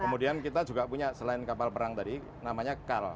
kemudian kita juga punya selain kapal perang tadi namanya kal